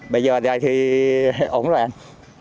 bây giờ thì ổn rồi anh